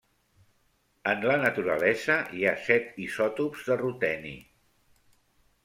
En la naturalesa hi ha set isòtops de ruteni.